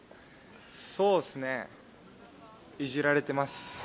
そうっすね、いじられてます。